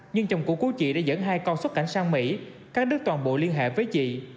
nhưng chồng cũ của chị đã dẫn hai con xuất cảnh sang mỹ cắt đứt toàn bộ liên hệ với chị